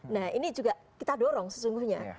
nah ini juga kita dorong sesungguhnya